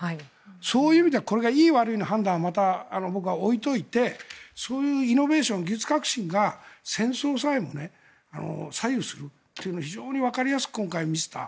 そういう意味ではこれがいい、悪いの判断は僕は置いておいてそういうイノベーション技術革新が戦争さえも左右するというのを非常にわかりやすく今回、見せた。